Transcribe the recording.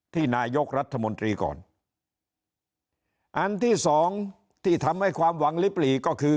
ที่นายกรัฐมนตรีก่อนอันที่สองที่ทำให้ความหวังลิปหลีก็คือ